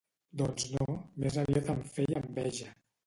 Doncs no, més aviat em feia enveja.